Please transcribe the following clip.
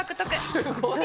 すごい。